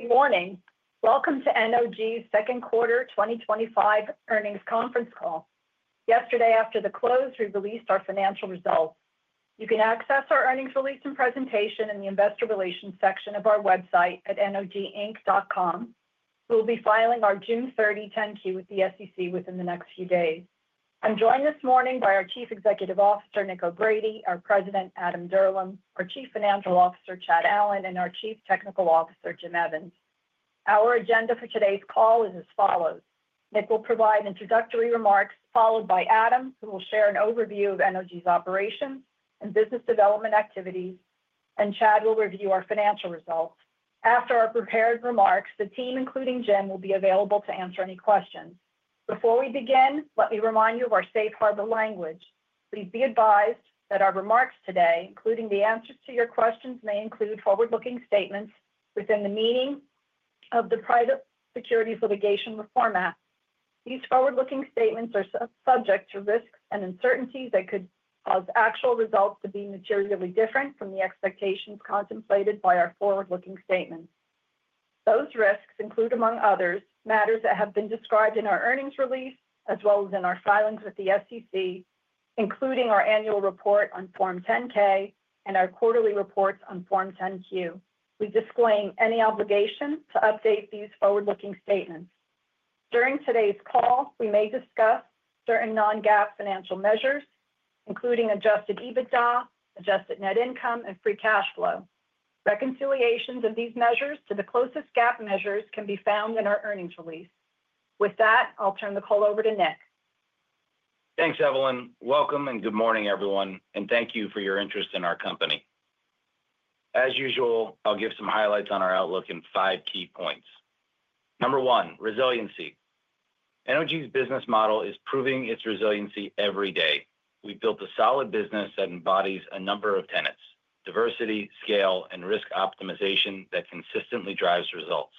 Good morning. Welcome to NOG's Second Quarter 2025 Earnings Conference Call. Yesterday, after the close, we released our financial results. You can access our earnings release and presentation in the investor relations section of our website at noginc.com. We'll be filing our June 30 10-Q with the SEC within the next few days. I'm joined this morning by our Chief Executive Officer, Nick O'Grady, our President, Adam Dirlam, our Chief Financial Officer, Chad Allen, and our Chief Technology Officer, Jim Evans. Our agenda for today's call is as follows: Nick will provide introductory remarks, followed by Adam, who will share an overview of NOG's operations and business development activities, and Chad will review our financial results. After our prepared remarks, the team, including Jim, will be available to answer any questions. Before we begin, let me remind you of our safe harbor language. Please be advised that our remarks today, including the answers to your questions, may include forward-looking statements within the meaning of the Private Securities Litigation Reform Act. These forward-looking statements are subject to risks and uncertainties that could cause actual results to be materially different from the expectations contemplated by our forward-looking statements. Those risks include, among others, matters that have been described in our earnings release, as well as in our filings with the SEC, including our annual report on Form 10-K and our quarterly reports on Form 10-Q. We disclaim any obligation to update these forward-looking statements. During today's call, we may discuss certain non-GAAP financial measures, including Adjusted EBITDA, adjusted net income, and free cash flow. Reconciliations of these measures to the closest GAAP measures can be found in our earnings release. With that, I'll turn the call over to Nick. Thanks, Evelyn. Welcome and good morning, everyone, and thank you for your interest in our company. As usual, I'll give some highlights on our outlook in five key points. Number one, resiliency. NOG's business model is proving its resiliency every day. We built a solid business that embodies a number of tenets: diversity, scale, and risk optimization that consistently drives results.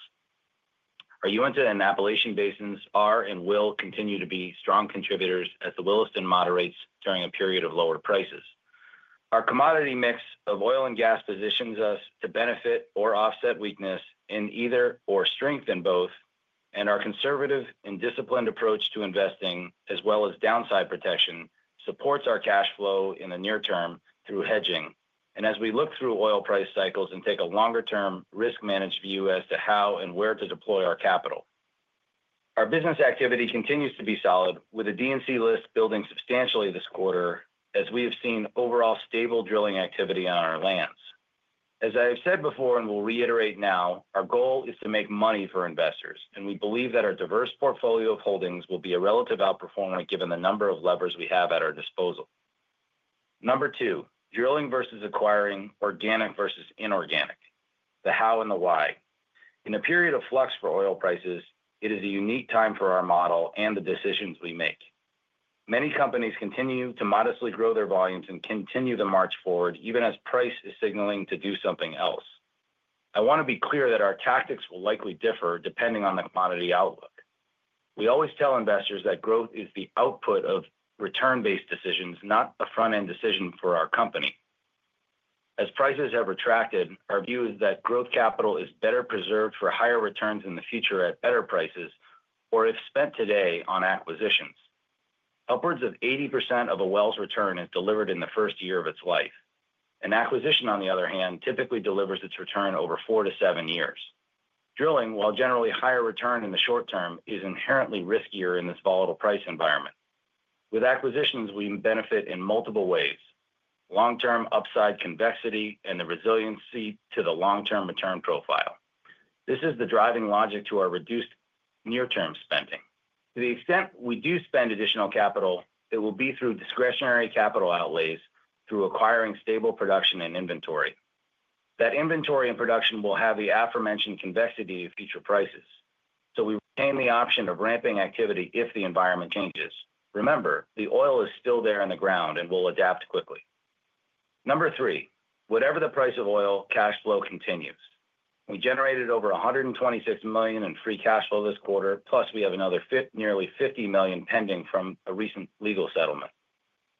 Our Uinta and Appalachian Basins are and will continue to be strong contributors as the Williston moderates during a period of lower prices. Our commodity mix of oil and gas positions us to benefit or offset weakness in either or strengthen both, and our conservative and disciplined approach to investing, as well as downside protection, supports our cash flow in the near term through hedging. As we look through oil price cycles and take a longer-term risk-managed view as to how and where to deploy our capital, our business activity continues to be solid, with a D&C list building substantially this quarter, as we have seen overall stable drilling activity on our lands. As I have said before and will reiterate now, our goal is to make money for investors, and we believe that our diverse portfolio of holdings will be a relative outperformer given the number of levers we have at our disposal. Number two, drilling versus acquiring, organic versus inorganic, the how and the why. In a period of flux for oil prices, it is a unique time for our model and the decisions we make. Many companies continue to modestly grow their volumes and continue the march forward, even as price is signaling to do something else. I want to be clear that our tactics will likely differ depending on the commodity outlook. We always tell investors that growth is the output of return-based decisions, not a front-end decision for our company. As prices have retracted, our view is that growth capital is better preserved for higher returns in the future at better prices or if spent today on acquisitions. Upwards of 80% of a well's return is delivered in the first year of its life. An acquisition, on the other hand, typically delivers its return over four to seven years. Drilling, while generally higher return in the short term, is inherently riskier in this volatile price environment. With acquisitions, we benefit in multiple ways: long-term upside convexity and the resiliency to the long-term return profile. This is the driving logic to our reduced near-term spending. To the extent we do spend additional capital, it will be through discretionary capital outlays, through acquiring stable production and inventory. That inventory and production will have the aforementioned convexity of future prices. We retain the option of ramping activity if the environment changes. Remember, the oil is still there in the ground and will adapt quickly. Number three, whatever the price of oil, cash flow continues. We generated over $126 million in free cash flow this quarter, plus we have another nearly $50 million pending from a recent legal settlement.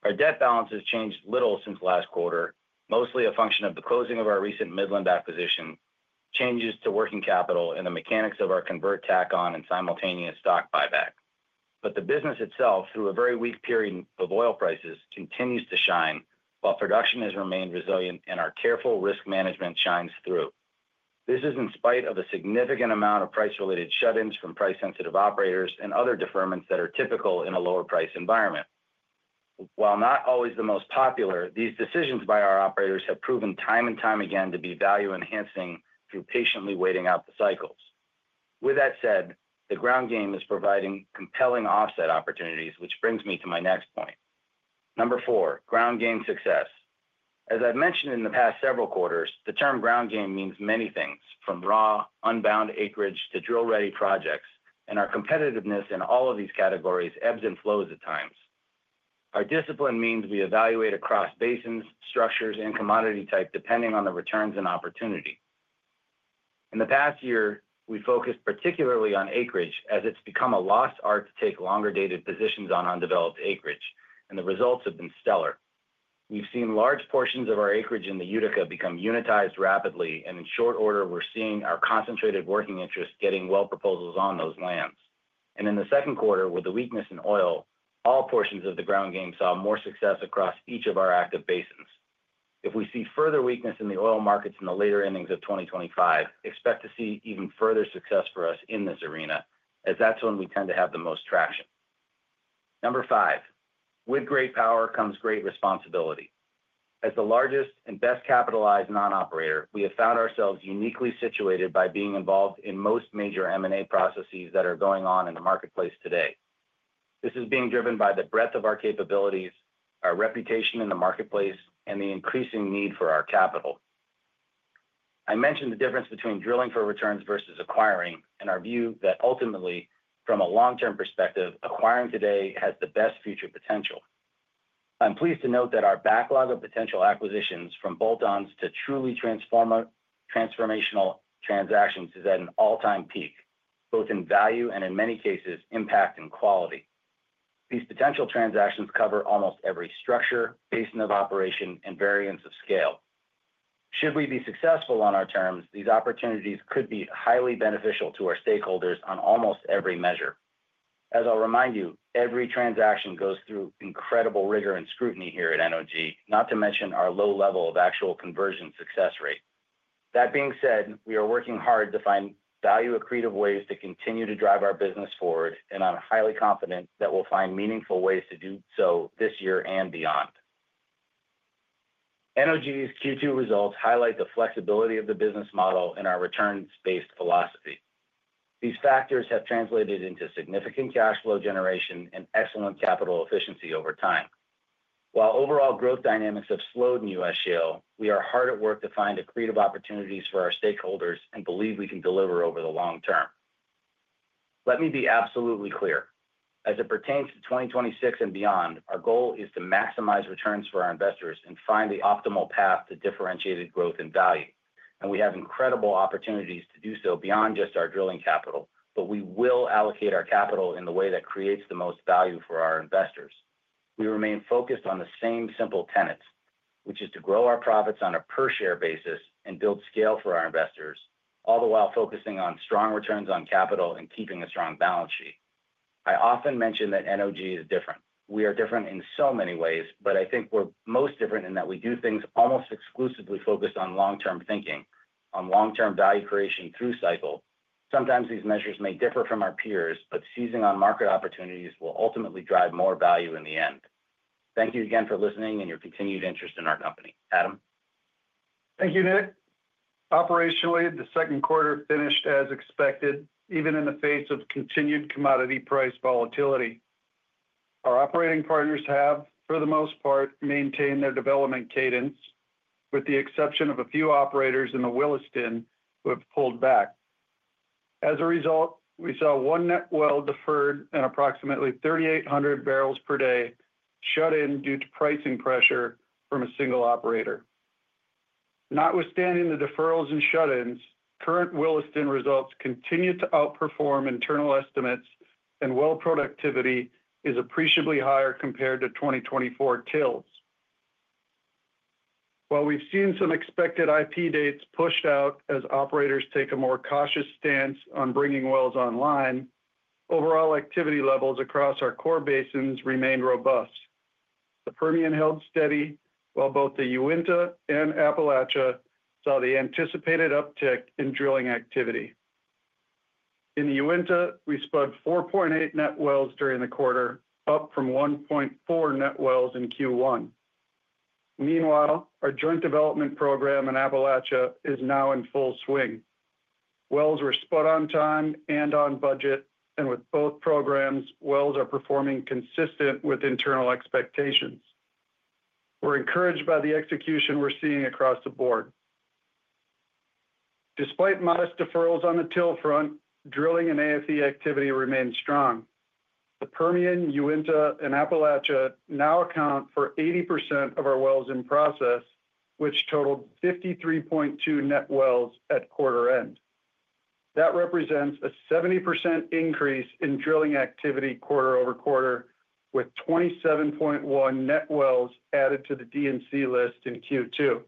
Our debt balance has changed little since last quarter, mostly a function of the closing of our recent mid-limb acquisition, changes to working capital, and the mechanics of our convert tack on and simultaneous stock buyback. The business itself, through a very weak period of oil prices, continues to shine while production has remained resilient and our careful risk management shines through. This is in spite of a significant amount of price-related shut-ins from price-sensitive operators and other deferments that are typical in a lower price environment. While not always the most popular, these decisions by our operators have proven time and time again to be value-enhancing through patiently waiting out the cycles. With that said, the ground game is providing compelling offset opportunities, which brings me to my next point. Number four, ground game success. As I've mentioned in the past several quarters, the term ground game means many things, from raw, unbound acreage to drill-ready projects, and our competitiveness in all of these categories ebbs and flows at times. Our discipline means we evaluate across basins, structures, and commodity type, depending on the returns and opportunity. In the past year, we focused particularly on acreage as it's become a lost art to take longer-dated positions on undeveloped acreage, and the results have been stellar. We've seen large portions of our acreage in the Utica become unitized rapidly, and in short order, we're seeing our concentrated working interest getting well proposals on those lands. In the second quarter, with the weakness in oil, all portions of the ground game saw more success across each of our active basins. If we see further weakness in the oil markets in the later endings of 2025, expect to see even further success for us in this arena, as that's when we tend to have the most traction. Number five, with great power comes great responsibility. As the largest and best capitalized non-operator, we have found ourselves uniquely situated by being involved in most major M&A processes that are going on in the marketplace today. This is being driven by the breadth of our capabilities, our reputation in the marketplace, and the increasing need for our capital. I mentioned the difference between drilling for returns versus acquiring, and our view that ultimately, from a long-term perspective, acquiring today has the best future potential. I'm pleased to note that our backlog of potential acquisitions, from bolt-ons to truly transformational transactions, is at an all-time peak, both in value and, in many cases, impact and quality. These potential transactions cover almost every structure, basin of operation, and variance of scale. Should we be successful on our terms, these opportunities could be highly beneficial to our stakeholders on almost every measure. As I'll remind you, every transaction goes through incredible rigor and scrutiny here at NOG, not to mention our low level of actual conversion success rate. That being said, we are working hard to find value-accretive ways to continue to drive our business forward, and I'm highly confident that we'll find meaningful ways to do so this year and beyond. NOG's Q2 results highlight the flexibility of the business model and our returns-based philosophy. These factors have translated into significant cash flow generation and excellent capital efficiency over time. While overall growth dynamics have slowed in U.S. Shale, we are hard at work to find accretive opportunities for our stakeholders and believe we can deliver over the long term. Let me be absolutely clear. As it pertains to 2026 and beyond, our goal is to maximize returns for our investors and find the optimal path to differentiated growth and value. We have incredible opportunities to do so beyond just our drilling capital, but we will allocate our capital in the way that creates the most value for our investors. We remain focused on the same simple tenets, which is to grow our profits on a per-share basis and build scale for our investors, all the while focusing on strong returns on capital and keeping a strong balance sheet. I often mention that NOG is different. We are different in so many ways, but I think we're most different in that we do things almost exclusively focused on long-term thinking, on long-term value creation through cycle. Sometimes these measures may differ from our peers, but seizing on market opportunities will ultimately drive more value in the end. Thank you again for listening and your continued interest in our company. Adam. Thank you, Nick. Operationally, the second quarter finished as expected, even in the face of continued commodity price volatility. Our operating partners have, for the most part, maintained their development cadence, with the exception of a few operators in the Williston who have pulled back. As a result, we saw one net well deferred and approximately 3,800 barrels per day shut in due to pricing pressure from a single operator. Notwithstanding the deferrals and shut-ins, current Williston results continue to outperform internal estimates, and well productivity is appreciably higher compared to 2024 TILs. While we've seen some expected IP dates pushed out as operators take a more cautious stance on bringing wells online, overall activity levels across our core basins remain robust. The Permian held steady, while both the Uinta and Appalachian Basin saw the anticipated uptick in drilling activity. In the Uinta, we spud 4.8 net wells during the quarter, up from 1.4 net wells in Q1. Meanwhile, our joint development program in the Appalachian Basin is now in full swing. Wells were spud on time and on budget, and with both programs, wells are performing consistent with internal expectations. We're encouraged by the execution we're seeing across the board. Despite modest deferrals on the till front, drilling and AFE activity remains strong. The Permian, Uinta, and Appalachian Basin now account for 80% of our wells in process, which totaled 53.2 net wells at quarter end. That represents a 70% increase in drilling activity quarter-over-quarter, with 27.1 net wells added to the D&C list in Q2.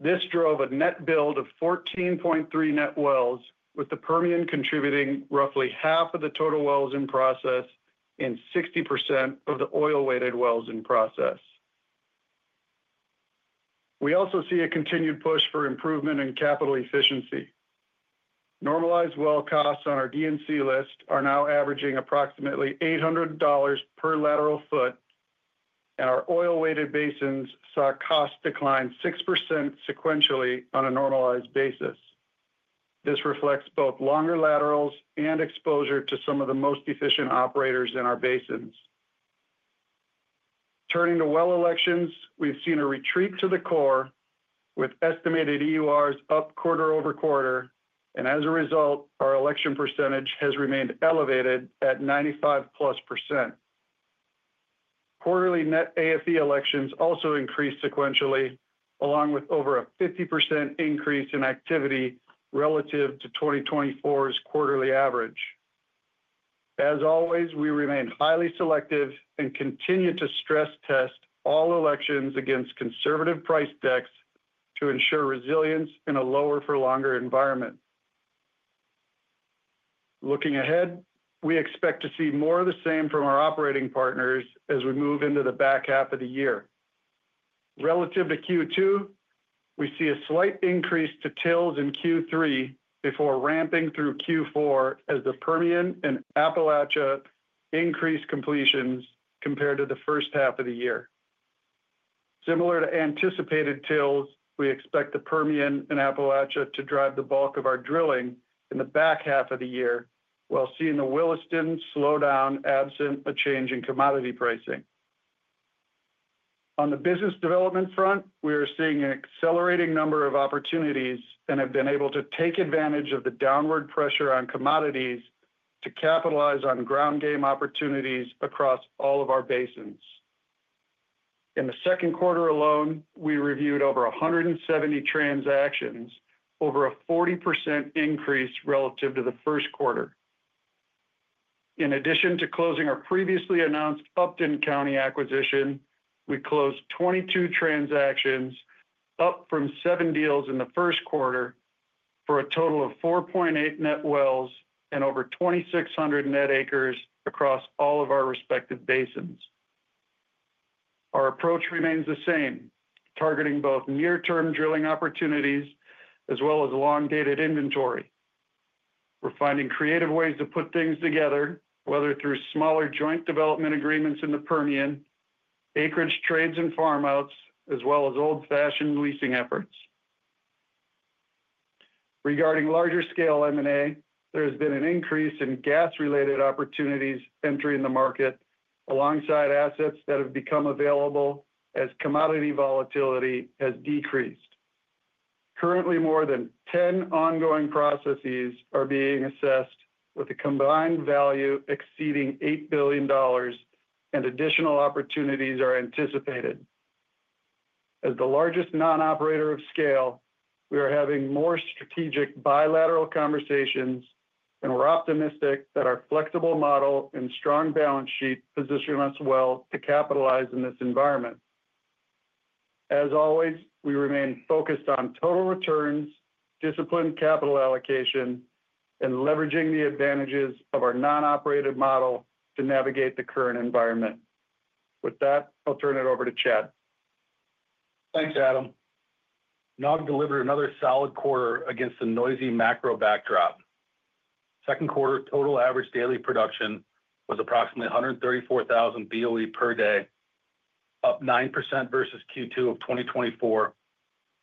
This drove a net build of 14.3 net wells, with the Permian contributing roughly half of the total wells in process and 60% of the oil-weighted wells in process. We also see a continued push for improvement in capital efficiency. Normalized well costs on our D&C list are now averaging approximately $800 per lateral foot, and our oil-weighted basins saw costs decline 6% sequentially on a normalized basis. This reflects both longer laterals and exposure to some of the most efficient operators in our basins. Turning to well elections, we've seen a retreat to the core, with estimated EURs up quarter-over-quarter, and as a result, our election percentage has remained elevated at 95%+. Quarterly net AFE elections also increased sequentially, along with over a 50% increase in activity relative to 2024's quarterly average. As always, we remain highly selective and continue to stress test all elections against conservative price decks to ensure resilience in a lower for longer environment. Looking ahead, we expect to see more of the same from our operating partners as we move into the back half of the year. Relative to Q2, we see a slight increase to TILs in Q3 before ramping through Q4 as the Permian and Appalachian Basin increase completions compared to the first half of the year. Similar to anticipated TILs, we expect the Permian and Appalachian Basin to drive the bulk of our drilling in the back half of the year, while seeing the Williston Basin slow down absent a change in commodity pricing. On the business development front, we are seeing an accelerating number of opportunities and have been able to take advantage of the downward pressure on commodities to capitalize on ground game opportunities across all of our basins. In the second quarter alone, we reviewed over 170 transactions, over a 40% increase relative to the first quarter. In addition to closing our previously announced Upton County acquisition, we closed 22 transactions, up from seven deals in the first quarter, for a total of 4.8 net wells and over 2,600 net acres across all of our respective basins. Our approach remains the same, targeting both near-term drilling opportunities as well as long-dated inventory. We're finding creative ways to put things together, whether through smaller joint development agreements in the Permian Basin, acreage trades and farm outs, as well as old-fashioned leasing efforts. Regarding larger scale M&A, there has been an increase in gas-related opportunities entering the market, alongside assets that have become available as commodity volatility has decreased. Currently, more than 10 ongoing processes are being assessed, with a combined value exceeding $8 billion, and additional opportunities are anticipated. As the largest non-operator of scale, we are having more strategic bilateral conversations, and we're optimistic that our flexible model and strong balance sheet position us well to capitalize in this environment. As always, we remain focused on total returns, disciplined capital allocation, and leveraging the advantages of our non-operated model to navigate the current environment. With that, I'll turn it over to Chad. Thanks, Adam. NOG delivered another solid quarter against a noisy macro backdrop. Second quarter total average daily production was approximately 134,000 BOE per day, up 9% versus Q2 of 2024,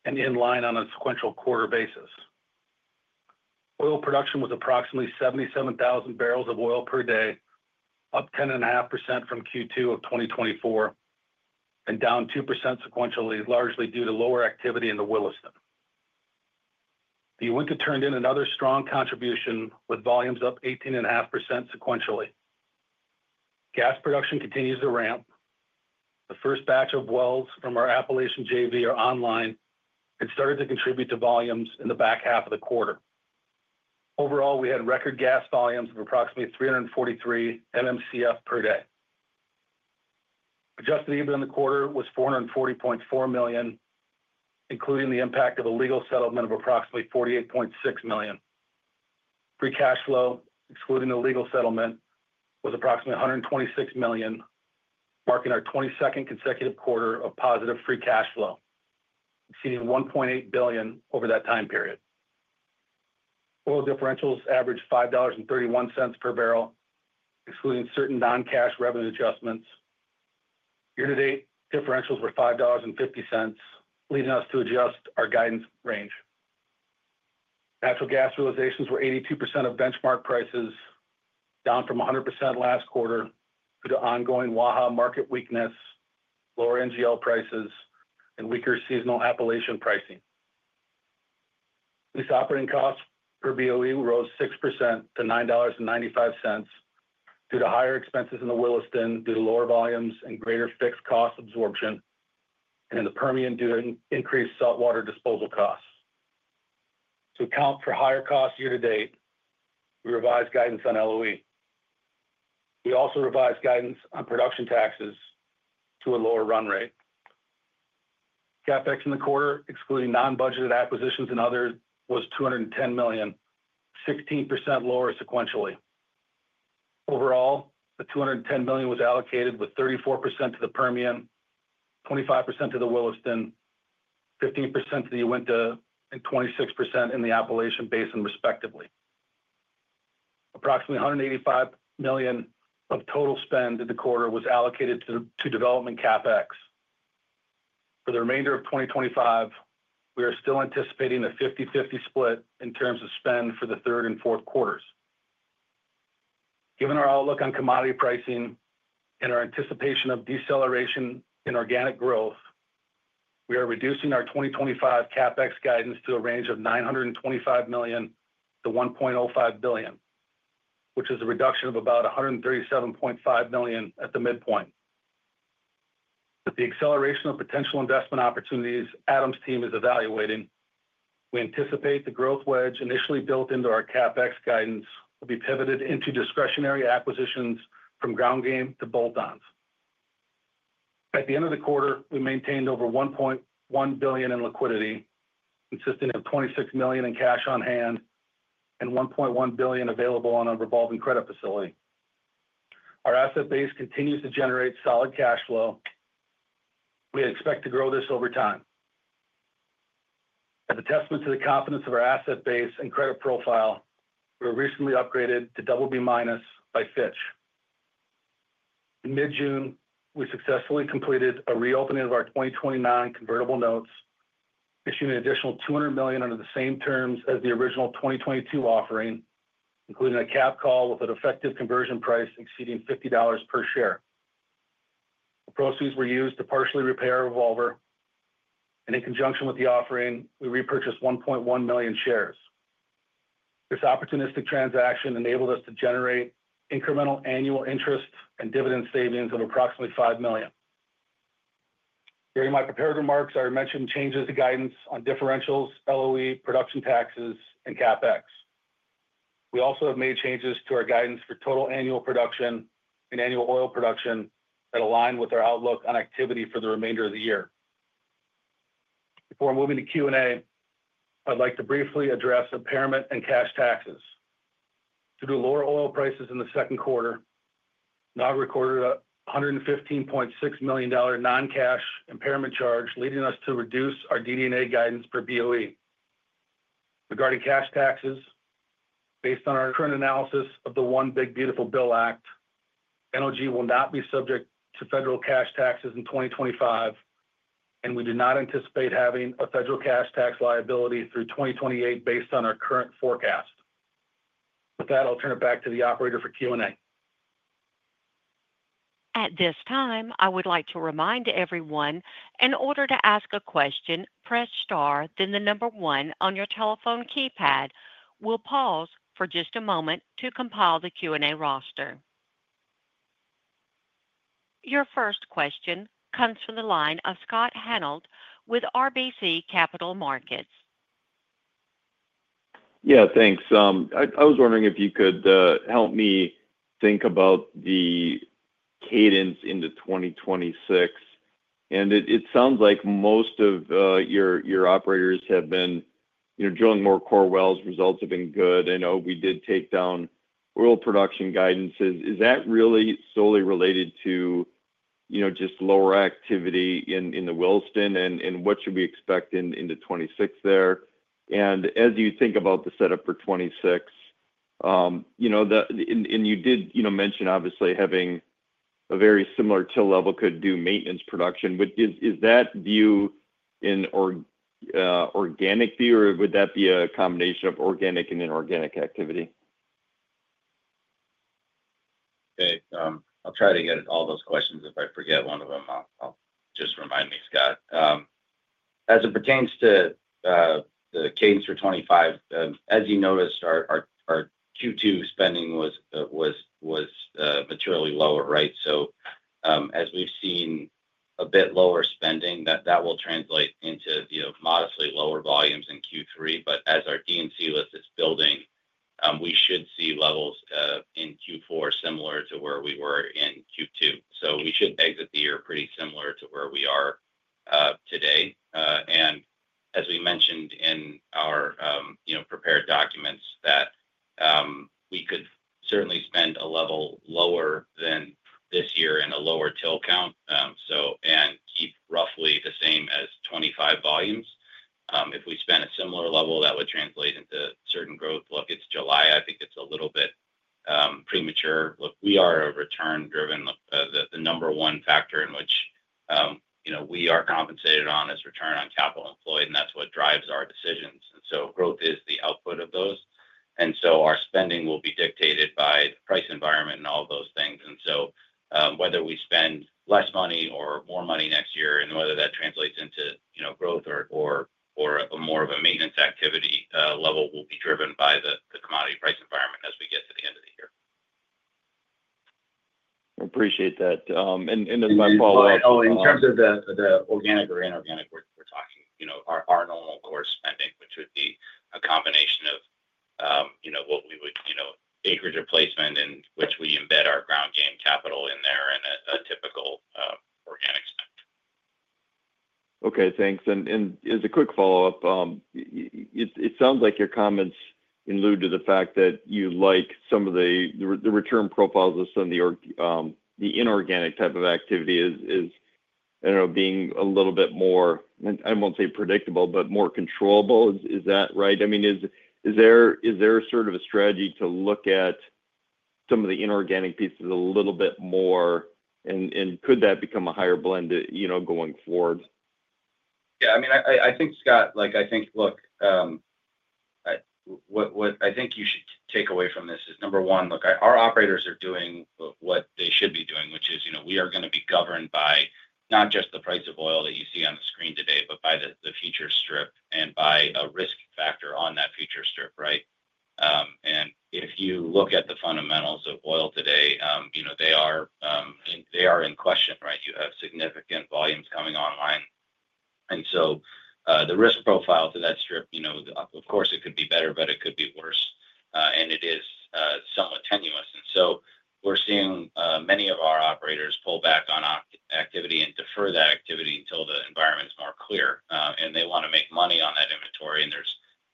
and in line on a sequential quarter basis. Oil production was approximately 77,000 BOE per day, up 10.5% from Q2 of 2024, and down 2% sequentially, largely due to lower activity in the Williston. The Uinta turned in another strong contribution with volumes up 18.5% sequentially. Gas production continues to ramp. The first batch of wells from our Appalachian JV are online and started to contribute to volumes in the back half of the quarter. Overall, we had record gas volumes of approximately 343 MMcf per day. Adjusted EBITDA in the quarter was $440.4 million, including the impact of a legal settlement of approximately $48.6 million. Free cash flow, excluding the legal settlement, was approximately $126 million, marking our 22nd consecutive quarter of positive free cash flow, exceeding $1.8 billion over that time period. Oil differentials averaged $5.31 per barrel, excluding certain non-cash revenue adjustments. Year-to-date differentials were $5.50, leading us to adjust our guidance range. Natural gas realizations were 82% of benchmark prices, down from 100% last quarter due to ongoing Waha market weakness, lower NGL prices, and weaker seasonal Appalachian pricing. Lease operating costs per BOE rose 6% to $9.95 due to higher expenses in the Williston due to lower volumes and greater fixed cost absorption, and in the Permian due to increased saltwater disposal costs. To account for higher costs year to date, we revised guidance on LOE. We also revised guidance on production taxes to a lower run rate. CapEx in the quarter, excluding non-budgeted acquisitions and others, was $210 million, 16% lower sequentially. Overall, the $210 million was allocated with 34% to the Permian, 25% to the Williston, 15% to the Uinta, and 26% in the Appalachian Basin, respectively. Approximately $185 million of total spend in the quarter was allocated to development CapEx. For the remainder of 2025, we are still anticipating a 50/50 split in terms of spend for the third and fourth quarters. Given our outlook on commodity pricing and our anticipation of deceleration in organic growth, we are reducing our 2025 CapEx guidance to a range of $925 million-$1.05 billion, which is a reduction of about $137.5 million at the midpoint. With the acceleration of potential investment opportunities Adam's team is evaluating, we anticipate the growth wedge initially built into our CapEx guidance will be pivoted into discretionary acquisitions from ground game to bolt-ons. At the end of the quarter, we maintained over $1.1 billion in liquidity, consisting of $26 million in cash on hand and $1.1 billion available on a revolving credit facility. Our asset base continues to generate solid cash flow. We expect to grow this over time. As a testament to the confidence of our asset base and credit profile, we were recently upgraded to BB- by Fitch. In mid-June, we successfully completed a reopening of our 2029 convertible notes, issuing an additional $200 million under the same terms as the original 2022 offering, including a cap call with an effective conversion price exceeding $50 per share. The proceeds were used to partially repair a revolver, and in conjunction with the offering, we repurchased 1.1 million shares. This opportunistic transaction enabled us to generate incremental annual interest and dividend savings of approximately $5 million. During my prepared remarks, I mentioned changes to guidance on differentials, LOE, production taxes, and CapEx. We also have made changes to our guidance for total annual production and annual oil production that align with our outlook on activity for the remainder of the year. Before moving to Q&A, I'd like to briefly address impairment and cash taxes. Due to lower oil prices in the second quarter, NOG recorded a $115.6 million non-cash impairment charge, leading us to reduce our DD&A guidance per BOE. Regarding cash taxes, based on our current analysis of the One Big Beautiful Bill Act, NOG will not be subject to federal cash taxes in 2025, and we do not anticipate having a federal cash tax liability through 2028 based on our current forecast. With that, I'll turn it back to the operator for Q&A. At this time, I would like to remind everyone, in order to ask a question, press star, then the number one on your telephone keypad. We'll pause for just a moment to compile the Q&A roster. Your first question comes from the line of Scott Hennold with RBC Capital Markets. Yeah, thanks. I was wondering if you could help me think about the cadence into 2026. It sounds like most of your operators have been drilling more core wells. Results have been good. I know we did take down oil production guidances. Is that really solely related to just lower activity in the Williston? What should we expect into 2026 there? As you think about the setup for 2026, you did mention, obviously, having a very similar till level could do maintenance production. Is that view an organic view, or would that be a combination of organic and inorganic activity? Okay. I'll try to get at all those questions. If I forget one of them, just remind me, Scott. As it pertains to the cadence for 2025, as you noticed, our Q2 spending was materially lower, right? As we've seen a bit lower spending, that will translate into modestly lower volumes in Q3. As our D&C list is building, we should see levels in Q4 similar to where we were in Q2. We should exit the year pretty similar to where we are today. As we mentioned in our prepared documents, we could certainly spend a level lower than this year in a lower total count and keep roughly the same as 2025 volumes. If we spend a similar level, that would translate into certain growth. Look, it's July. I think it's a little bit premature. We are a return-driven company. The number one factor in which we are compensated on is return on capital employed, and that's what drives our decisions. Growth is the output of those. Our spending will be dictated by the price environment and all those things. Whether we spend less money or more money next year and whether that translates into growth or more of a maintenance activity level will be driven by the commodity price environment as we get to the end of the year. I appreciate that. As my follow-up. In terms of the organic or inorganic, we're talking our normal course spending, which would be a combination of what we would acreage replacement, in which we embed our ground game capital in there and a typical organic spend. Thanks. As a quick follow-up, it sounds like your comments allude to the fact that you like some of the return profiles of some of the inorganic type of activity. I don't know, being a little bit more, I won't say predictable, but more controllable. Is that right? I mean, is there a sort of a strategy to look at some of the inorganic pieces a little bit more, and could that become a higher blend going forward? Yeah. I mean, I think, Scott, what I think you should take away from this is, number one, our operators are doing what they should be doing, which is, we are going to be governed by not just the price of oil that you see on the screen today, but by the future strip and by a risk factor on that future strip, right? If you look at the fundamentals of oil today, they are in question, right? You have significant volumes coming online. The risk profile to that strip, of course, it could be better, but it could be worse, and it is somewhat tenuous. We're seeing many of our operators pull back on activity and defer that activity until the environment is more clear. They want to make money on that inventory.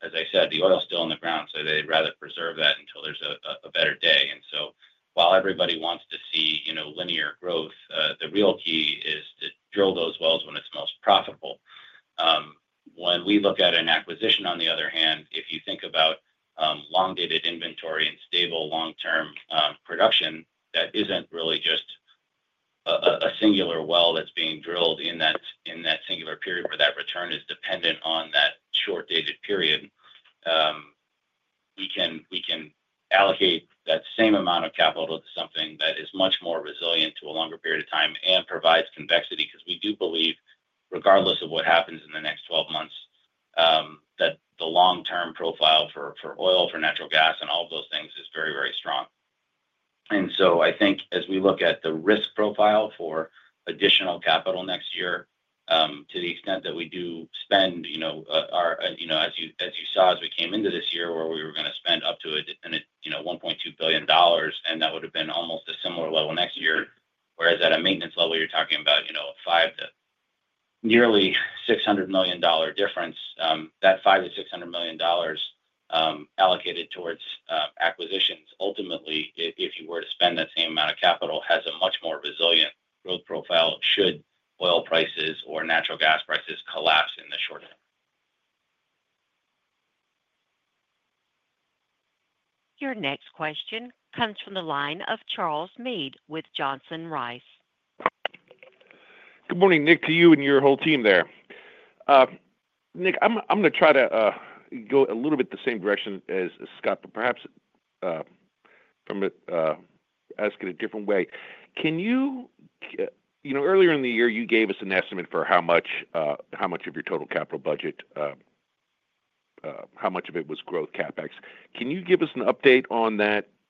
As I said, the oil's still in the ground, so they'd rather preserve that until there's a better day. While everybody wants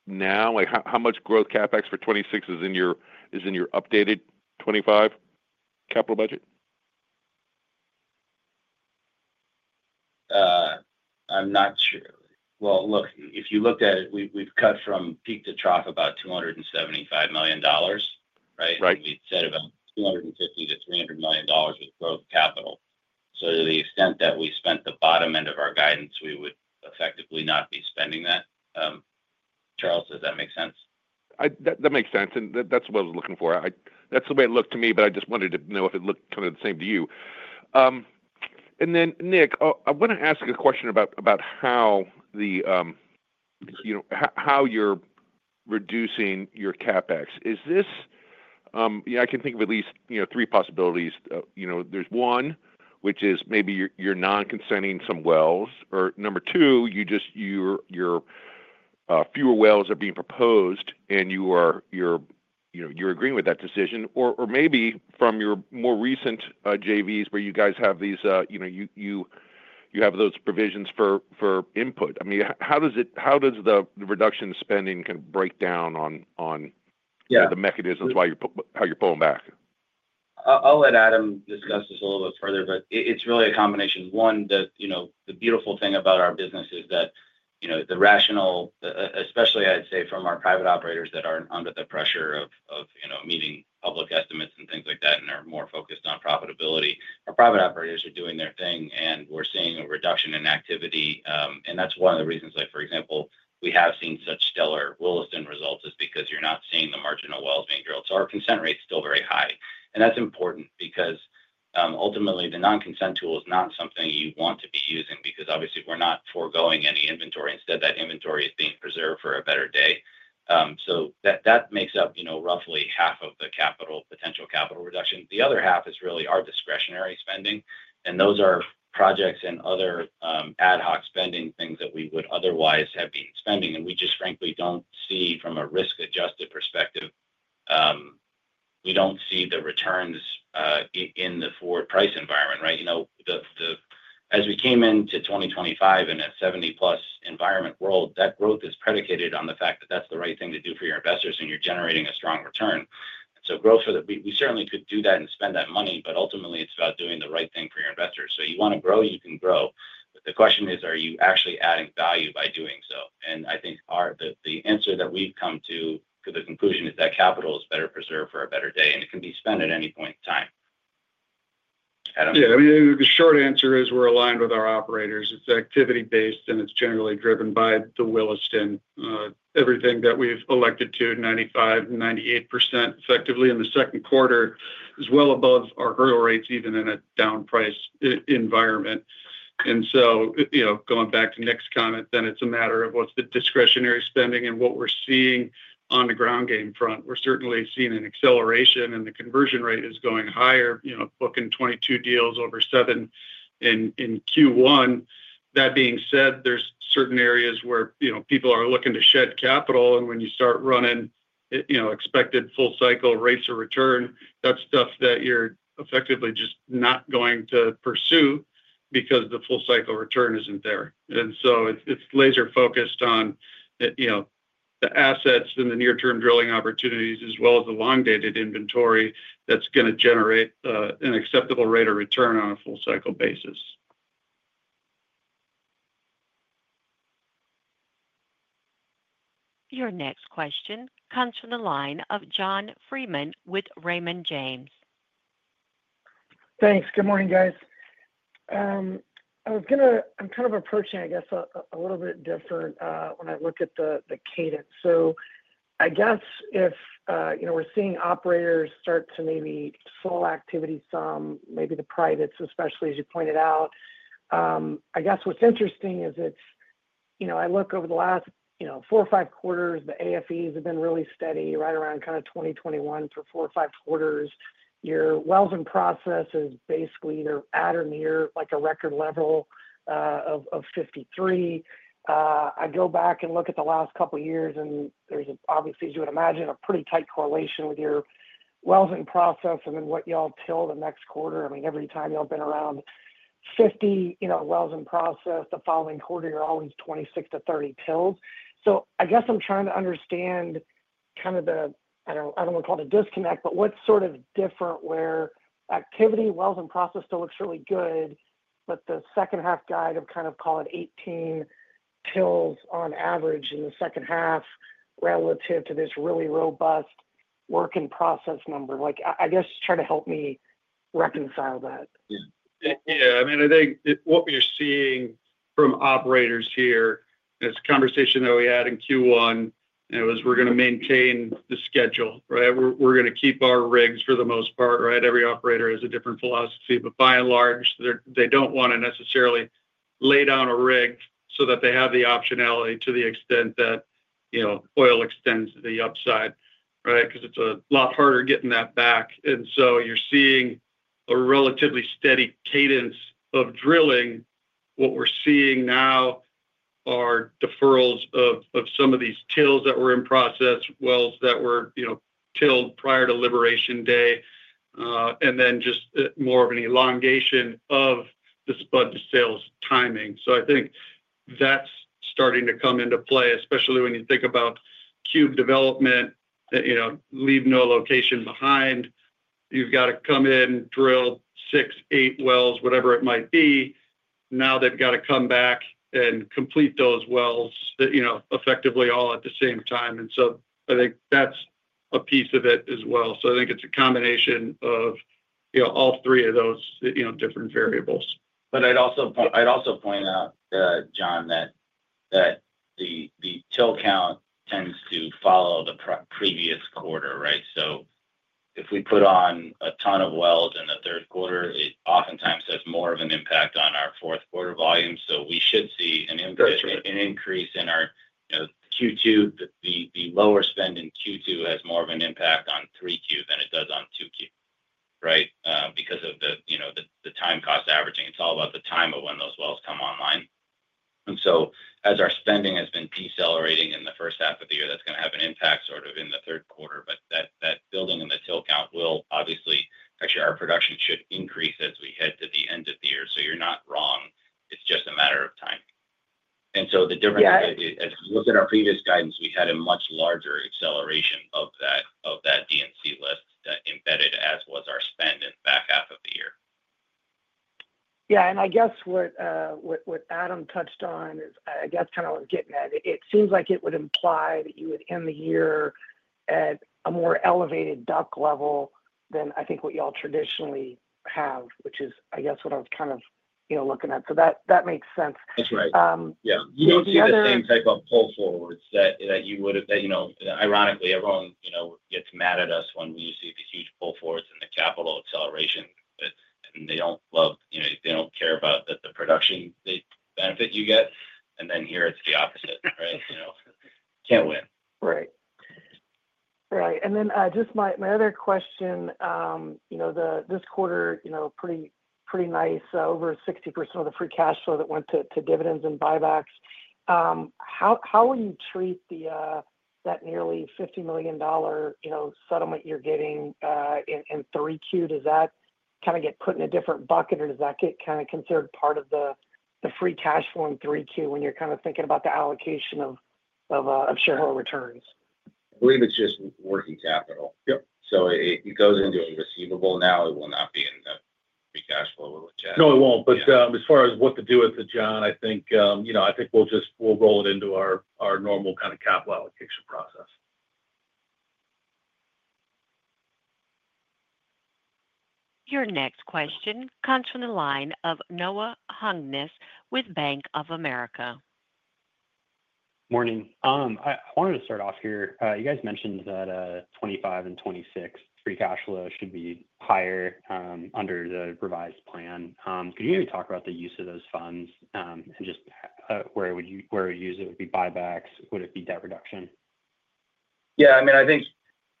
that now? How much growth CapEx for 2026 is in your updated 2025 capital budget? I'm not sure. If you looked at it, we've cut from peak to trough about $275 million, right? Right. We'd said about $250 million-$300 million with growth capital. To the extent that we spent the bottom end of our guidance, we would effectively not be spending that. Charles, does that make sense? That makes sense. That's what I was looking for. That's the way it looked to me, but I just wanted to know if it looked kind of the same to you. Nick, I want to ask a question about how you're reducing your CapEx. I can think of at least three possibilities. There's one, which is maybe you're non-consenting some wells, or number two, fewer wells are being proposed and you're agreeing with that decision. Or maybe from your more recent JVs where you guys have those provisions for input. How does the reduction of spending break down on the mechanisms why you're, how you're pulling back? I'll let Adam discuss this a little bit further, but it's really a combination. One, the beautiful thing about our business is that the rational, especially I'd say from our private operators that aren't under the pressure of meeting public estimates and things like that and are more focused on profitability. Our private operators are doing their thing and we're seeing a reduction in activity. That's one of the reasons, for example, we have seen such stellar Williston results is because you're not seeing the marginal wells being drilled. Our consent rate's still very high. That's important because ultimately, the non-consent tool is not something you want to be using because obviously we're not foregoing any inventory. Instead, that inventory is being preserved for a better day. That makes up roughly half of the potential capital reduction. The other half is really our discretionary spending. Those are projects and other ad hoc spending things that we would otherwise have been spending. We just frankly don't see, from a risk-adjusted perspective, we don't see the returns in the forward price environment, right? As we came into 2025 in a $70+ environment world, that growth is predicated on the fact that that's the right thing to do for your investors and you're generating a strong return. Growth for that, we certainly could do that and spend that money, but ultimately, it's about doing the right thing for your investors. You want to grow, you can grow. The question is, are you actually adding value by doing so? I think the answer that we've come to, to the conclusion is that capital is better preserved for a better day and it can be spent at any point in time. Yeah, I mean, the short answer is we're aligned with our operators. It's activity-based, and it's generally driven by the Williston. Everything that we've elected to, 95%, 98% effectively in the second quarter, is well above our hurdle rates, even in a down-priced environment. Going back to Nick's comment, it's a matter of what's the discretionary spending and what we're seeing on the ground game front. We're certainly seeing an acceleration, and the conversion rate is going higher. Booking 22 deals over seven in Q1. That being said, there are certain areas where people are looking to shed capital. When you start running expected full cycle rates of return, that's stuff that you're effectively just not going to pursue because the full cycle return isn't there. It's laser-focused on the assets and the near-term drilling opportunities, as well as the long-dated inventory that's going to generate an acceptable rate of return on a full cycle basis. Your next question comes from the line of John Freeman with Raymond James. Thanks. Good morning, guys. I'm kind of approaching, I guess, a little bit different when I look at the cadence. I guess if, you know, we're seeing operators start to maybe slow activity some, maybe the privates, especially as you pointed out. I guess what's interesting is it's, you know, I look over the last, you know, four or five quarters, the AFEs have been really steady right around kind of 2021 through four or five quarters. Your wells in process is basically either at or near like a record level of 53. I go back and look at the last couple of years, and there's obviously, as you would imagine, a pretty tight correlation with your wells in process and then what y'all till the next quarter. Every time y'all have been around 50 wells in process, the following quarter, you're always 26-30 TILs. I guess I'm trying to understand kind of the, I don't want to call it a disconnect, but what's sort of different where activity, wells in process still looks really good, but the second half guide of kind of call it 18 TILs on average in the second half relative to this really robust work in process number. I guess just try to help me reconcile that. Yeah, I mean, I think what we are seeing from operators here is a conversation that we had in Q1, and it was we're going to maintain the schedule, right? We're going to keep our rigs for the most part, right? Every operator has a different philosophy, but by and large, they don't want to necessarily lay down a rig so that they have the optionality to the extent that, you know, oil extends the upside, right? It's a lot harder getting that back. You're seeing a relatively steady cadence of drilling. What we're seeing now are deferrals of some of these TILs that were in process, wells that were, you know, tilled prior to liberation day, and then just more of an elongation of the spud to sales timing. I think that's starting to come into play, especially when you think about cube development, you know, leave no location behind. You've got to come in, drill six, eight wells, whatever it might be. Now they've got to come back and complete those wells, you know, effectively all at the same time. I think that's a piece of it as well. I think it's a combination of, you know, all three of those, you know, different variables. I'd also point out, John, that the till count tends to follow the previous quarter, right? If we put on a ton of wells in the third quarter, it oftentimes has more of an impact on our fourth quarter volume. We should see an increase in our, you know, Q2. The lower spend in Q2 has more of an impact on 3Q than it does on 2Q, right? Because of the, you know, the time cost averaging. It's all about the time of when those wells come online. As our spending has been decelerating in the first half of the year, that's going to have an impact sort of in the third quarter. That building in the till count will obviously, actually, our production should increase as we head to the end of the year. You're not wrong. It's just a matter of timing. The difference is, as you look at our previous guidance, we had a much larger acceleration of that D&C list embedded, as was our spend in the back half of the year. Yeah, what Adam touched on is kind of what I was getting at. It seems like it would imply that you would end the year at a more elevated duck level than I think what y'all traditionally have, which is what I was kind of looking at. That makes sense. That's right. You don't see the same type of pull forwards that you would have. Ironically, everyone gets mad at us when we see these huge pull forwards in the capital acceleration, but they don't care about the production benefit you get. Here it's the opposite, right? You know, can't win. Right. And then just my other question, this quarter, pretty nice. Over 60% of the free cash flow that went to dividends and buybacks. How will you treat that nearly $50 million settlement you're getting in 3Q? Does that kind of get put in a different bucket, or does that get considered part of the free cash flow in 3Q when you're kind of thinking about the allocation of shareholder returns? I believe it's just working capital. Yep, it goes into a receivable now. It will not be in the free cash flow. We'll adjust. No, it won't. As far as what to do with it, John, I think we'll just roll it into our normal kind of capital allocation process. Your next question comes from the line of Noah Hungness with Bank of America. Morning. I wanted to start off here. You guys mentioned that 2025 and 2026 free cash flow should be higher under the revised plan. Could you maybe talk about the use of those funds and just where would you use it? Would it be buybacks? Would it be debt reduction? Yeah. I mean, I think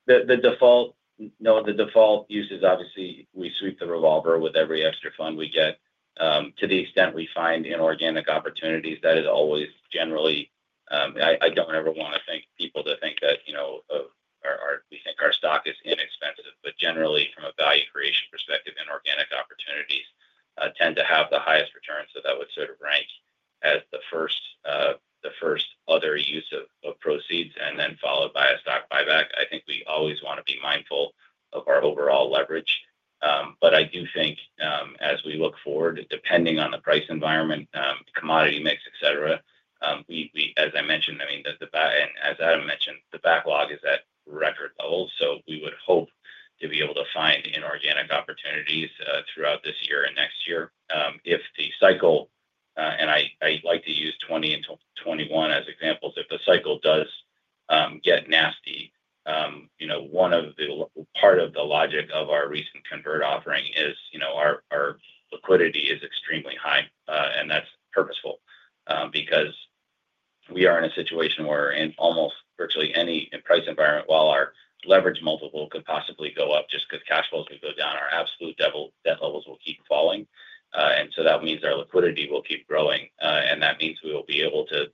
the default, no, the default use is obviously we sweep the revolver with every extra fund we get. To the extent we find inorganic opportunities, that is always generally, I don't ever want people to think that, you know, we think our stock is inexpensive. Generally, from a value creation perspective, inorganic opportunities tend to have the highest return. That would sort of rank as the first, the first other use of proceeds, then followed by a stock buyback. I think we always want to be mindful of our overall leverage. I do think as we look forward, depending on the price environment, commodity mix, etc., we, as I mentioned, I mean, the backlog, and as Adam mentioned, the backlog is at record levels. We would hope to be able to find inorganic opportunities throughout this year and next year. If the cycle, and I like to use 2020 and 2021 as examples, if the cycle does get nasty, one of the parts of the logic of our recent convert offering is, our liquidity is extremely high. That's purposeful because we are in a situation where in almost virtually any price environment, while our leverage multiple could possibly go up, just because cash flows could go down, our absolute debt levels will keep falling. That means our liquidity will keep growing. That means we will be able to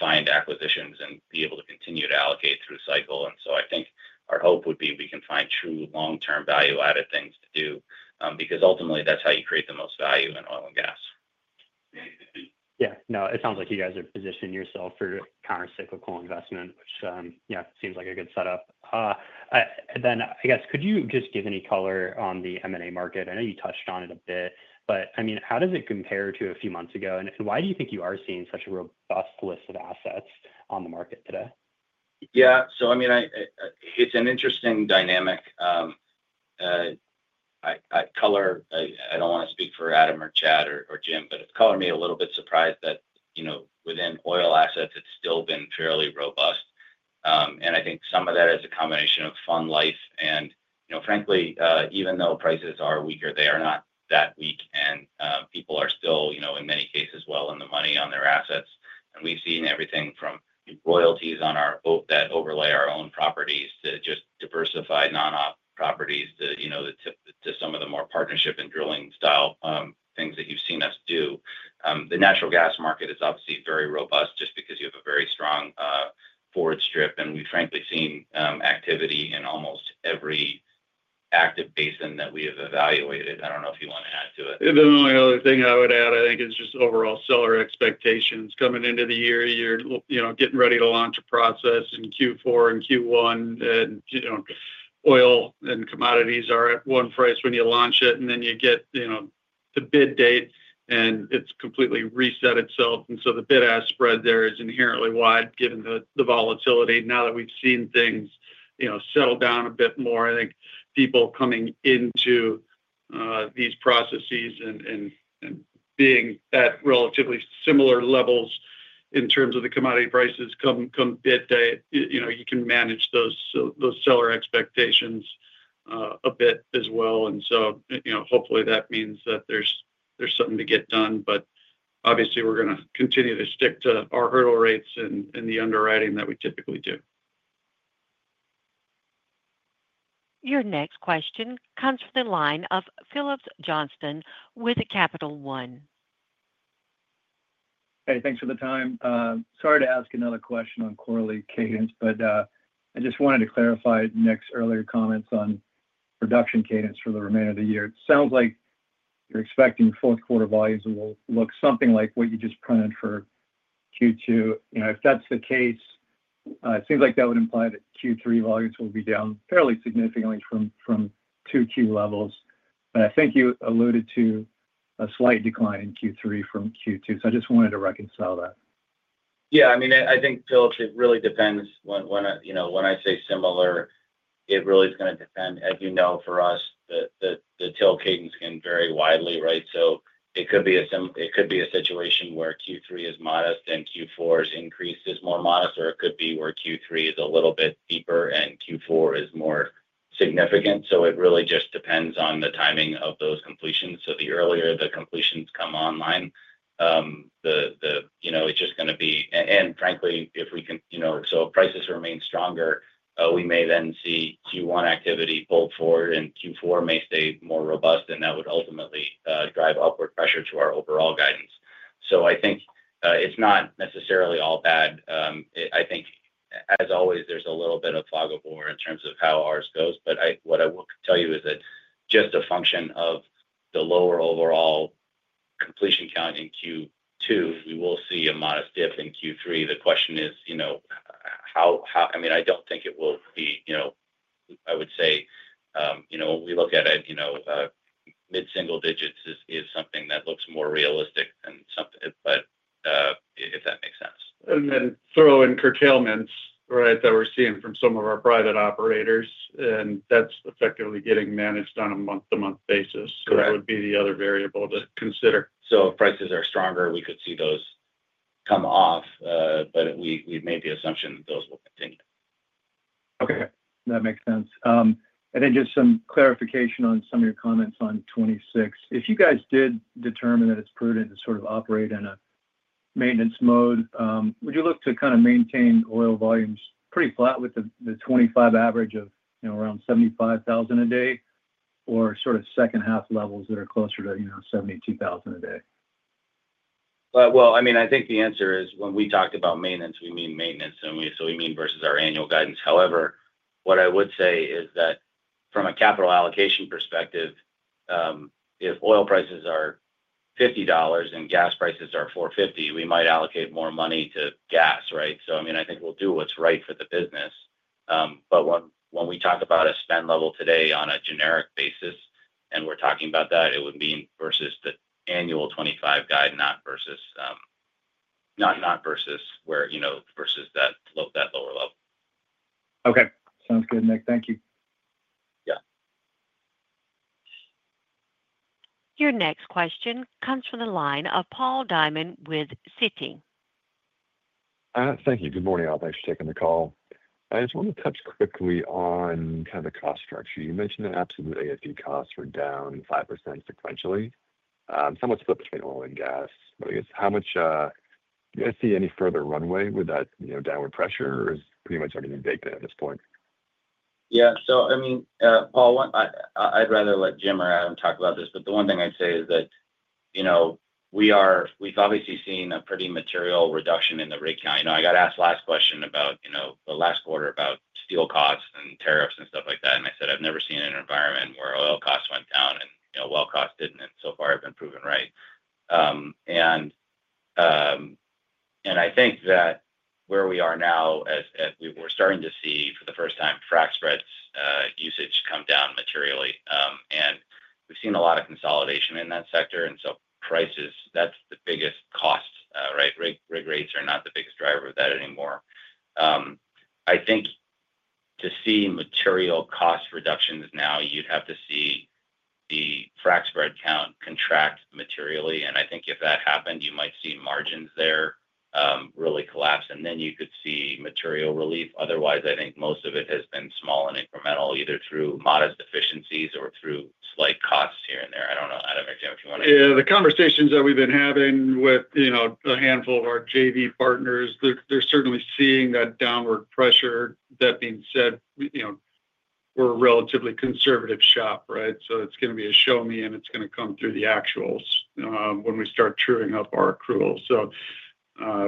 find acquisitions and be able to continue to allocate through cycle. I think our hope would be we can find true long-term value-added things to do because ultimately, that's how you create the most value in oil and gas. Yeah. No, it sounds like you guys are positioning yourself for countercyclical investment, which seems like a good setup. Could you just give any color on the M&A market? I know you touched on it a bit, but how does it compare to a few months ago? Why do you think you are seeing such a robust list of assets on the market today? Yeah. It's an interesting dynamic. I don't want to speak for Adam or Chad or Jim, but it's colored me a little bit surprised that, within oil assets, it's still been fairly robust. I think some of that is a combination of fund life. Frankly, even though prices are weaker, they are not that weak, and people are still, in many cases, well in the money on their assets. We've seen everything from royalties that overlay our own properties to just diversified non-operated properties to some of the more partnership and drilling style things that you've seen us do. The natural gas market is obviously very robust just because you have a very strong forward strip. We've frankly seen activity in almost every active basin that we have evaluated. I don't know if you want to add to it. The only other thing I would add, I think, is just overall seller expectations coming into the year. You're getting ready to launch a process in Q4 and Q1. Oil and commodities are at one price when you launch it, and then you get the bid date, and it's completely reset itself. The bid-ask spread there is inherently wide given the volatility. Now that we've seen things settle down a bit more, I think people coming into these processes and being at relatively similar levels in terms of the commodity prices come bid date, you can manage those seller expectations a bit as well. Hopefully, that means that there's something to get done. Obviously, we're going to continue to stick to our hurdle rates and the underwriting that we typically do. Your next question comes from the line of Phillips Johnston with Capital One. Hey, thanks for the time. Sorry to ask another question on quarterly cadence, but I just wanted to clarify Nick's earlier comments on production cadence for the remainder of the year. It sounds like you're expecting fourth quarter volumes will look something like what you just printed for Q2. If that's the case, it seems like that would imply that Q3 volumes will be down fairly significantly from Q2 levels. I think you alluded to a slight decline in Q3 from Q2. I just wanted to reconcile that. Yeah. I mean, I think, Phil, it really depends when I say similar, it really is going to depend. As you know, for us, the till cadence can vary widely, right? It could be a situation where Q3 is modest and Q4's increase is more modest, or it could be where Q3 is a little bit deeper and Q4 is more significant. It really just depends on the timing of those completions. The earlier the completions come online, it's just going to be, and frankly, if we can, if prices remain stronger, we may then see Q1 activity pull forward and Q4 may stay more robust, and that would ultimately drive upward pressure to our overall guidance. I think it's not necessarily all bad. I think, as always, there's a little bit of fog of war in terms of how ours goes. What I will tell you is that just a function of the lower overall completion count in Q2, we will see a modest dip in Q3. The question is, how, I mean, I don't think it will be, I would say, when we look at it, mid-single digits is something that looks more realistic than something, if that makes sense. Throw in curtailments that we're seeing from some of our private operators, and that's effectively getting managed on a month-to-month basis. That would be the other variable to consider. If prices are stronger, we could see those come off, but we made the assumption that those will continue. Okay. That makes sense. Just some clarification on some of your comments on 2026. If you guys did determine that it's prudent to sort of operate in a maintenance mode, would you look to kind of maintain oil volumes pretty flat with the 2025 average of, you know, around 75,000 BOE a day or sort of second-half levels that are closer to, you know, 72,000 BOE a day? I think the answer is when we talked about maintenance, we mean maintenance, and we mean versus our annual guidance. However, what I would say is that from a capital allocation perspective, if oil prices are $50 and gas prices are $4.50, we might allocate more money to gas, right? I think we'll do what's right for the business. When we talk about a spend level today on a generic basis, and we're talking about that, it would mean versus the annual 2025 guide, not versus that lower level. Okay. Sounds good, Nick. Thank you. Yeah. Your next question comes from the line of Paul Diamond with Citi. Thank you. Good morning, all. Thanks for taking the call. I just wanted to touch quickly on kind of the cost structure. You mentioned that absolute AFE costs were down 5% sequentially, somewhat split between oil and gas. I guess how much, you guys see any further runway with that downward pressure, or is pretty much everything vacant at this point? Yeah. I mean, Paul, I'd rather let Jim or Adam talk about this. The one thing I'd say is that we have obviously seen a pretty material reduction in the rig count. I got asked last question about the last quarter about steel costs and tariffs and stuff like that. I said I've never seen an environment where oil costs went down and well costs didn't. So far, it's been proven right. I think that where we are now is we're starting to see, for the first time, frac spreads usage come down materially. We've seen a lot of consolidation in that sector, and so prices, that's the biggest cost, right? Rig rates are not the biggest driver of that anymore. I think to see material cost reductions now, you'd have to see the frac spread count contract materially. If that happened, you might see margins there really collapse, and then you could see material relief. Otherwise, I think most of it has been small and incremental, either through modest efficiencies or through slight costs here and there. I don't know, Adam or Jim, if you want to. Yeah. The conversations that we've been having with a handful of our JV partners, they're certainly seeing that downward pressure. That being said, we're a relatively conservative shop, right? It's going to be a show me, and it's going to come through the actuals when we start truing up our accrual.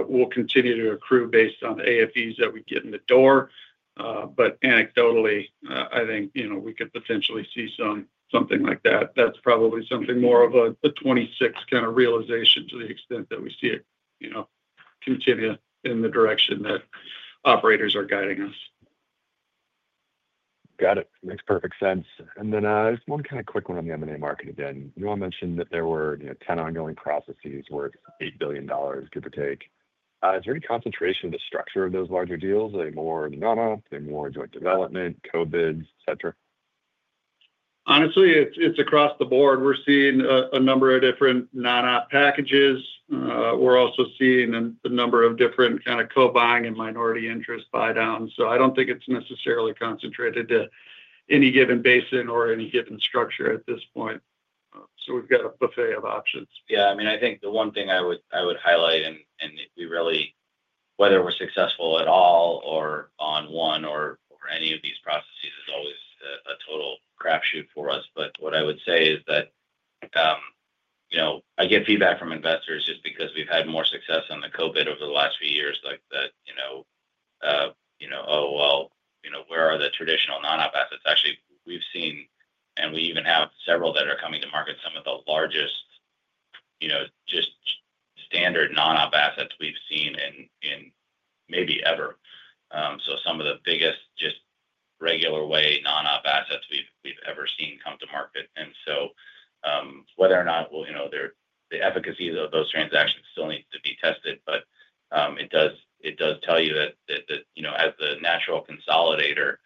We'll continue to accrue based on the AFEs that we get in the door, but anecdotally, I think we could potentially see something like that. That's probably something more of a 2026 kind of realization to the extent that we see it continue in the direction that operators are guiding us. Got it. Makes perfect sense. I just want to kind of quick one on the M&A market again. You all mentioned that there were, you know, 10 ongoing processes worth $8 billion, give or take. Is there any concentration of the structure of those larger deals? Are they more non-operated? Are they more joint development, co-bids, etc.? Honestly, it's across the board. We're seeing a number of different non-operated packages. We're also seeing a number of different kind of co-buying and minority interest buy-downs. I don't think it's necessarily concentrated to any given basin or any given structure at this point. We've got a buffet of options. Yeah. I mean, I think the one thing I would highlight, and we really, whether we're successful at all or on one or any of these processes, is always a total crapshoot for us. What I would say is that, you know, I get feedback from investors just because we've had more success on the co-bid over the last few years, like that, you know, "Oh, well, you know, where are the traditional non-op assets?" Actually, we've seen, and we even have several that are coming to market, some of the largest, you know, just standard non-op assets we've seen in maybe ever, some of the biggest just regular way non-op assets we've ever seen come to market. Whether or not the efficacy of those transactions still needs to be tested, it does tell you that, you know, as the natural consolidator,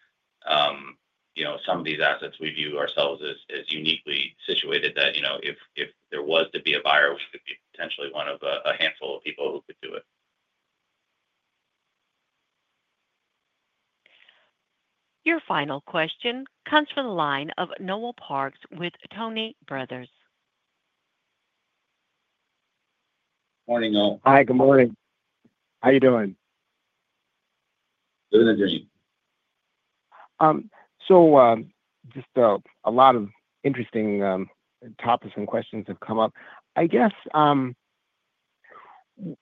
some of these assets we view ourselves as uniquely situated that, you know, if there was to be a buyer, we could be potentially one of a handful of people who could do it. Your final question comes from the line of Noel Parks with Tuohy Brothers. Morning, Noel. Hi, good morning. How are you doing? Living the dream. A lot of interesting topics and questions have come up.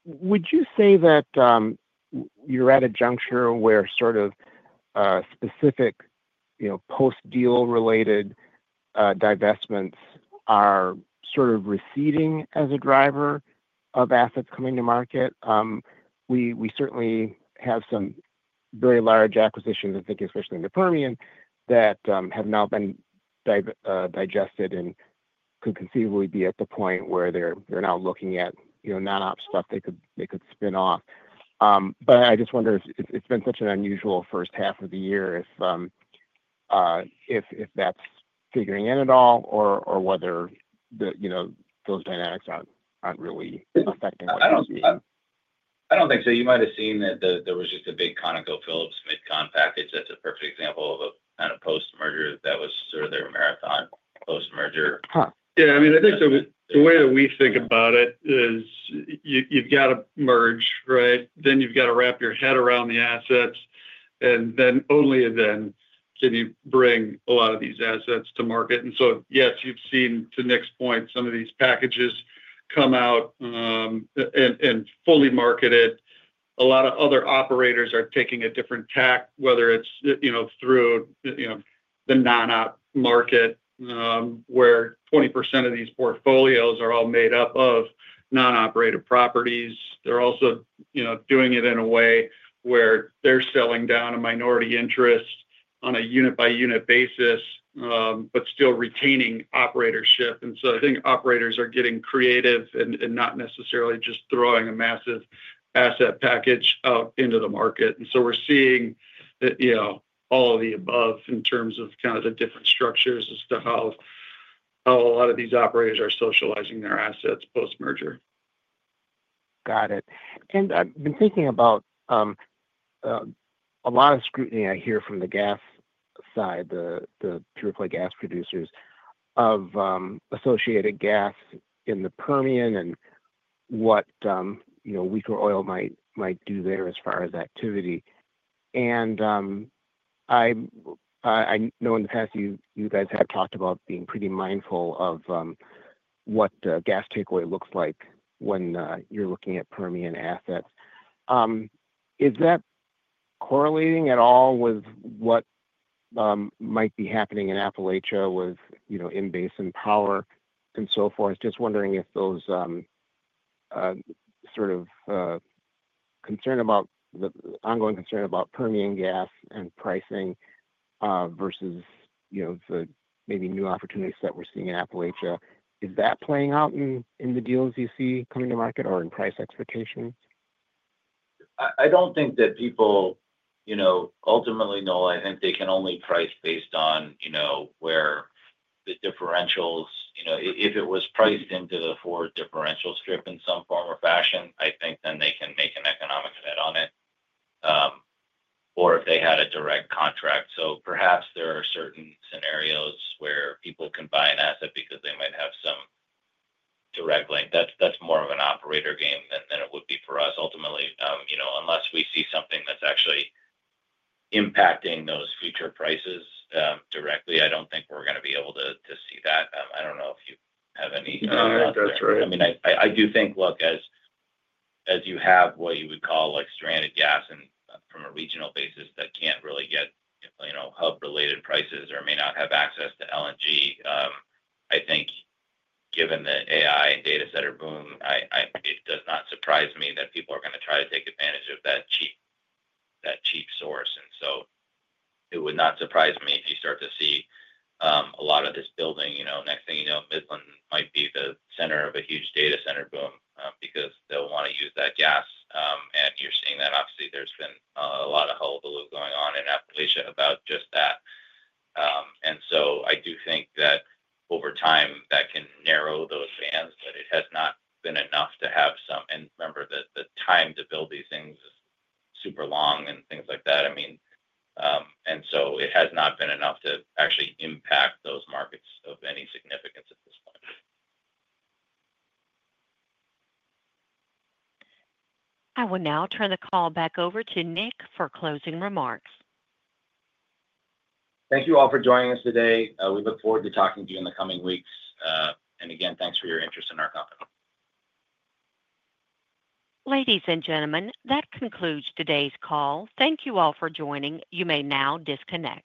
Would you say that you're at a juncture where specific post-deal-related divestments are receding as a driver of assets coming to market? We certainly have some very large acquisitions, I think, especially in the Permian, that have now been digested and could conceivably be at the point where they're now looking at non-operated stuff they could spin off. I just wonder if it's been such an unusual first half of the year, if that's figuring in at all or whether those dynamics aren't really affecting what you're seeing. I don't think so. You might have seen that there was just a big ConocoPhillips mid-con package. That's a perfect example of a kind of post-merger that was sort of their Marathon post-merger. Yeah. I mean, I think the way that we think about it is you've got to merge, right? Then you've got to wrap your head around the assets. Only then can you bring a lot of these assets to market. Yes, you've seen, to Nick's point, some of these packages come out and fully market it. A lot of other operators are taking a different tack, whether it's through the non-op market, where 20% of these portfolios are all made up of non-operated properties. They're also doing it in a way where they're selling down a minority interest on a unit-by-unit basis, but still retaining operatorship. I think operators are getting creative and not necessarily just throwing a massive asset package out into the market. We're seeing that, all of the above in terms of the different structures as to how a lot of these operators are socializing their assets post-merger. Got it. I've been thinking about a lot of scrutiny I hear from the gas side, the pure play gas producers, of associated gas in the Permian and what weaker oil might do there as far as activity. I know in the past you guys have talked about being pretty mindful of what the gas takeaway looks like when you're looking at Permian assets. Is that correlating at all with what might be happening in Appalachia with in-base and power and so forth? Just wondering if those concerns about the ongoing concern about Permian gas and pricing, versus the maybe new opportunities that we're seeing in Appalachia, is that playing out in the deals you see coming to market or in price expectations? I don't think that people, you know, ultimately, no. I think they can only price based on, you know, where the differentials, you know, if it was priced into the forward differential strip in some form or fashion, I think then they can make an economic bet on it, or if they had a direct contract. Perhaps there are certain scenarios where people can buy an asset because they might have some direct link. That's more of an operator game than it would be for us. Ultimately, unless we see something that's actually impacting those future prices directly, I don't think we're going to be able to see that. I don't know if you have any on that. No, that's right. I do think, look, as you have what you would call like stranded gas and from a regional basis that can't really get, you know, hub-related prices or may not have access to LNG, I think given the AI and data center boom, it does not surprise me that people are going to try to take advantage of that cheap source. It would not surprise me if you start to see a lot of this building. Next thing you know, Midland might be the center of a huge data center boom, because they'll want to use that gas. You're seeing that, obviously, there's been a lot of hullabaloo going on in Appalachia about just that. I do think that over time that can narrow those bands, but it has not been enough to have some, and remember that the time to build these things is super long and things like that. It has not been enough to actually impact those markets of any significance at this point. I will now turn the call back over to Nick for closing remarks. Thank you all for joining us today. We look forward to talking to you in the coming weeks. Thank you for your interest in our company. Ladies and gentlemen, that concludes today's call. Thank you all for joining. You may now disconnect.